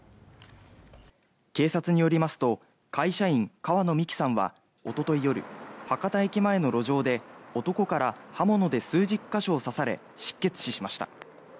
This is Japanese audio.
警察によりますと会社員・川野美樹さんはおととい夜、博多駅前の路上で男から刃物で数十か所を刺され失血死しました。